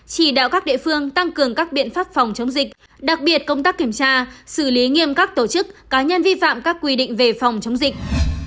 chỉ đạo các địa phương tăng cường các biện pháp phòng chống dịch đặc biệt công tác kiểm tra xử lý nghiêm các tổ chức cá nhân vi phạm các quy định về phòng chống dịch